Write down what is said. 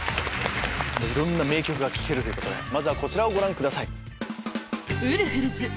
いろんな名曲聴けるということでまずはこちらをご覧ください。